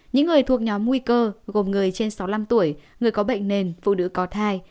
những người thuộc nhóm nguy cơ gồm người trên sáu mươi năm tuổi người có bệnh nền phụ nữ có thai